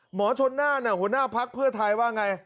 หมอชนหน้าเนี่ยหัวหน้าพรรคเพื่อไทยว่าไง